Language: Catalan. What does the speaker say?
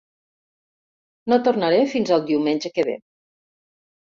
No tornaré fins al diumenge que ve.